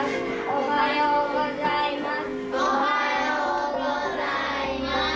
おはようございます。